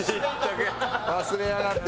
忘れやがって。